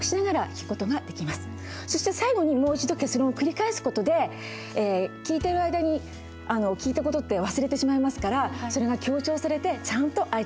そして最後にもう一度結論を繰り返す事で聞いてる間に聞いた事って忘れてしまいますからそれが強調されてちゃんと相手に伝わる内容になります。